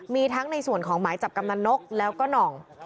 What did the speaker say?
มีทั้งในส่วนของหมายจับกำนันนกแล้วก็หน่อง